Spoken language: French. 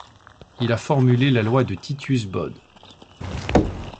Il a formulé la loi de Titius-Bode.